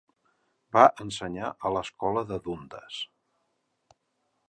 Va ensenyar a l'escola de Dundas.